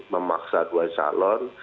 memaksa dua calon